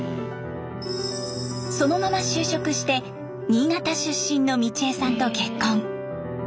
そのまま就職して新潟出身の美千枝さんと結婚。